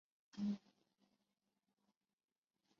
大麦哲伦星系内充满了各种星体和天文现象。